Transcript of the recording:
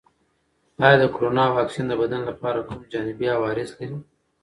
آیا د کرونا واکسین د بدن لپاره کوم جانبي عوارض لري؟